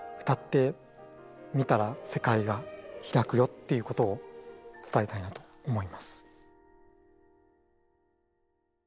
っていうことを伝えたいなと思います。